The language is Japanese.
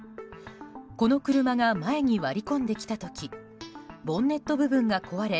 この車が前に割り込んできた時ボンネット部分が壊れ